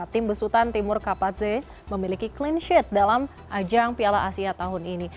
tim besutan timur kapatze memiliki clean sheet dalam ajang piala asia tahun ini